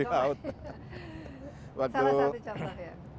salah satu contoh ya